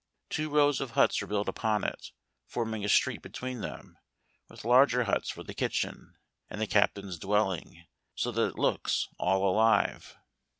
Two rows of huts are built upon it, forming a street between them; with larger huts for the kitchen, and the Captain's dwelling: so that it looks all alive.